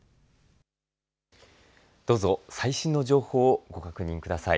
どうぞ、最新の情報をご確認ください。